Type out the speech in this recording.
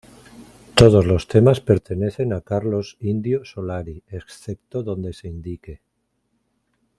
Todos los temas pertenecen a Carlos "Indio" Solari, excepto donde se indique.